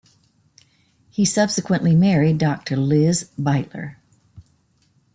He subsequently married Doctor Liz Beightler.